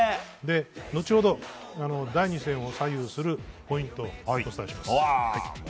後ほど、第２戦を左右するポイントをお伝えします。